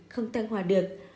không thăng hoa được